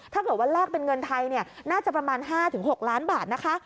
ถ้าเกิดว่าแลกเป็นเงินไทยน่าจะประมาณ๕๖ล้านบาทนะคะ